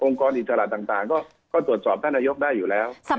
องค์กรแอร์ศาลต่างก็ตรวจสอบท่านอยกได้อยู่แล้ว